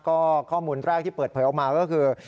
ก็ข้อมูลแรกที่เปิดเผยออกมาก็คือ